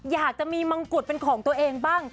อยากจะมีมังกุฎเป็นของตัวเองบ้าง